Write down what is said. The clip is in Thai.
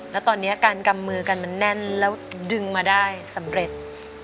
แล้วตอนนี้การกำมือกันมันแน่นแล้วดึงมาได้สำเร็จ